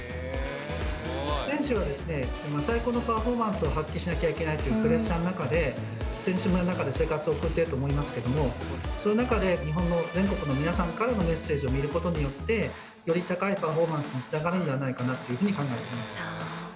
選手は最高のパフォーマンスを発揮しなきゃいけないというプレッシャーの中で、選手村の中で生活を送っていると思いますけども、そういう中で、日本の、全国の皆さんからのメッセージを見ることによって、より高いパフォーマンスにつながるんではないかなと考えています。